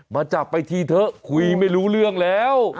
มาจับไปทีเถอะคุยไม่รู้เรื่องแล้ว